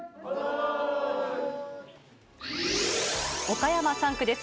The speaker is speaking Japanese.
岡山３区です。